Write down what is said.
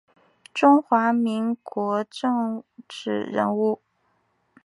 中华民国政治人物。